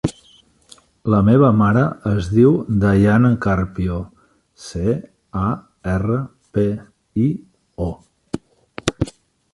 La meva mare es diu Dayana Carpio: ce, a, erra, pe, i, o.